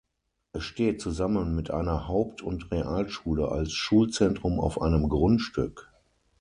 Es steht zusammen mit einer Haupt- und Realschule als Schulzentrum auf einem Grundstück.